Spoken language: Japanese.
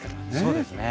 そうですね。